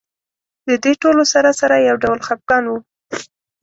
د دې ټولو سره سره یو ډول خپګان و.